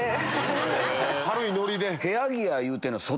軽いノリで。